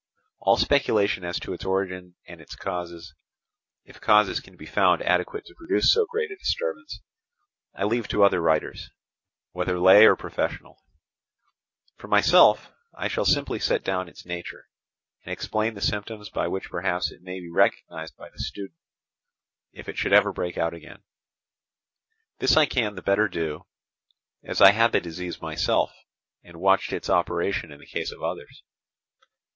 All speculation as to its origin and its causes, if causes can be found adequate to produce so great a disturbance, I leave to other writers, whether lay or professional; for myself, I shall simply set down its nature, and explain the symptoms by which perhaps it may be recognized by the student, if it should ever break out again. This I can the better do, as I had the disease myself, and watched its operation in the case of others.